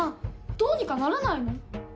どうにかならないの？